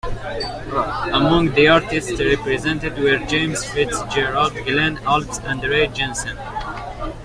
Among the artists represented were James FitzGerald, Glen Alps, and Ray Jensen.